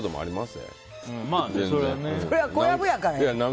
それは小籔やからや。